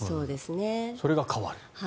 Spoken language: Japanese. それが変わる。